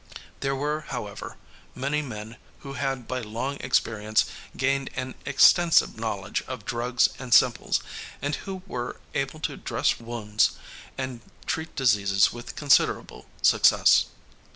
There were, however, many men who had by long experience gained an extensive knowledge of drugs and simples, and who were able to dress wounds and treat diseases with considerable success.